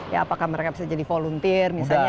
ya apakah mereka bisa jadi volunteer misalnya